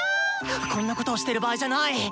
こんなことをしてる場合じゃない！